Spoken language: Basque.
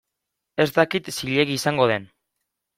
Ez dakit zilegi izango den.